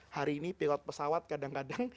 hari ini pilot pesawat kadang kadang